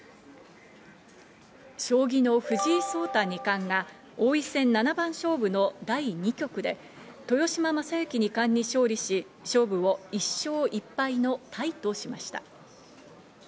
将棋の藤井聡太二冠が王位戦七番勝負の第２局で豊島将之二冠に勝利し、勝負を１勝１敗のタイとしました。